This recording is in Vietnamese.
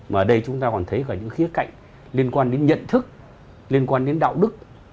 mà ở đây chúng ta còn thấy cả những khía cạnh liên quan đến nhận thức liên quan đến đạo đức